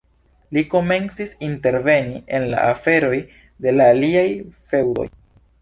Li komencis interveni en la aferoj de la aliaj feŭdoj.